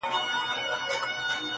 لکه راغلی چي له خیبر یې٫